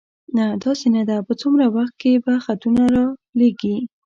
نه، داسې نه ده، په څومره وخت کې به خطونه را لېږې؟